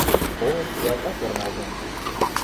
Олык ялтак ӧрмалген